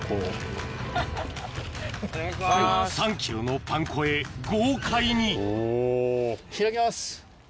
３ｋｇのパン粉へ豪快に開きます！